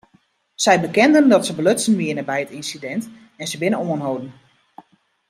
Sy bekenden dat se belutsen wiene by it ynsidint en se binne oanholden.